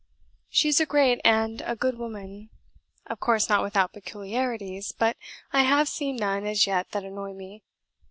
She is a great and a good woman; of course not without peculiarities, but I have seen none as yet that annoy me.